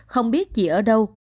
không biết chị ở đâu